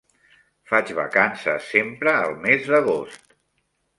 Faig vacances sempre al mes d'agost.